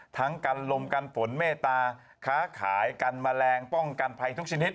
ทั้งกันลมกันฝนเมตตาค้าขายกันแมลงป้องกันภัยทุกชนิด